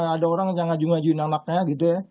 ada orang yang ngaju ngajuin anaknya gitu ya